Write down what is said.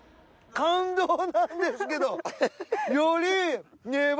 感動なんですけど！